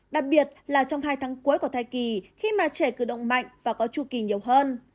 đặc biệt là trong hai tháng cuối của thai kỳ khi mà trẻ cử động mạnh và có chu kỳ nhiều hơn